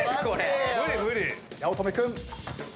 八乙女君。